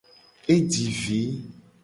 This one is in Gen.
E ji vi.